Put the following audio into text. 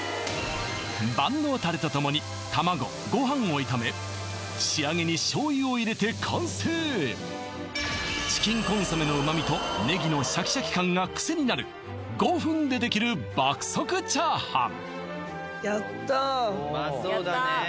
万能たれと共に卵ご飯を炒め仕上げに醤油を入れて完成チキンコンソメの旨味とネギのシャキシャキ感がクセになるやったうまそうだね